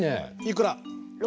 いくら。